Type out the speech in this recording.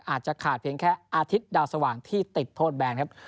อาจจะขาดเพียงแค่อาทิตย์ดาวสว่างที่ติดโทษแบนครับ